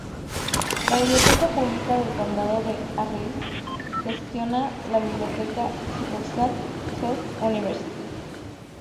La Biblioteca Pública del Condado de Harris gestiona la Biblioteca Sucursal West University.